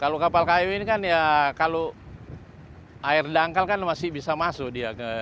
kalau kapal kayu ini kan ya kalau air dangkal kan masih bisa masuk dia ke muara muara kecil itu